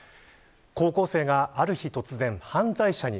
高校生がある日、突然犯罪者に。